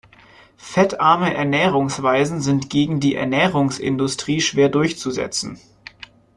Fettarme Ernährungsweisen sind gegen die Ernährungsindustrie schwer durchzusetzen.